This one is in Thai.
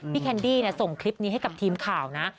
แคนดี้ส่งคลิปนี้ให้กับทีมข่าวนะ